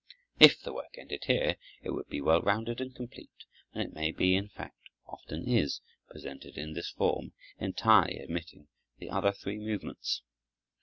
If the work ended here it would be well rounded and complete, and it may be, in fact often is, presented in this form, entirely omitting the other three movements.